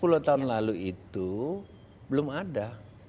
sepuluh tahun lalu itu belum ada